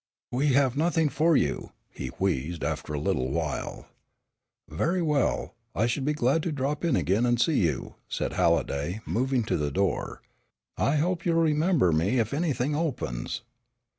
"We have nothing for you," he wheezed after awhile. "Very well, I should be glad to drop in again and see you," said Halliday, moving to the door. "I hope you will remember me if anything opens."